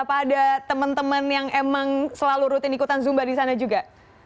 apa ada teman teman yang emang selalu rutin ikutan zumba di sana juga